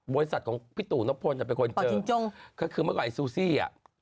บริษัทของพี่ตุนกภลคือเมื่อก่อนอ๊ะซูสี้